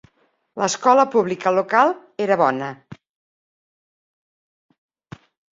L'escola pública local era bona.